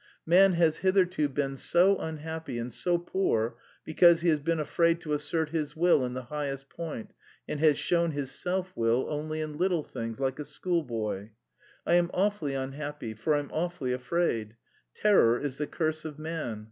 Man has hitherto been so unhappy and so poor because he has been afraid to assert his will in the highest point and has shown his self will only in little things, like a schoolboy. I am awfully unhappy, for I'm awfully afraid. Terror is the curse of man....